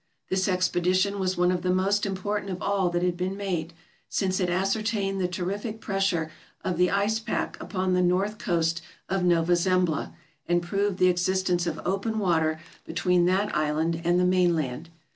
This expedition was one of the most important of all that had been made, since it ascertained the terrific pressure of the ice pack upon the north coast of Nova Zembla and proved the existence of open water between that island and the main land.